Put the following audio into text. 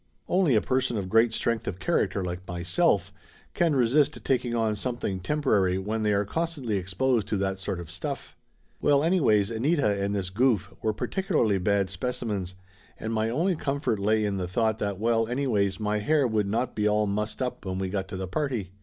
Only a person of great strength of character like myself can resist taking on something temporary when they are constantly exposed to that sort of stuff. Well, anyways Anita and this goof were particularly bad specimens and my only comfort lay in the thought that well anyways my hair would not be all mussed up when we got to the party.